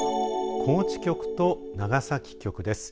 高知局と長崎局です。